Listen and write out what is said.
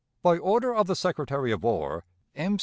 "By order of the Secretary of War: "M.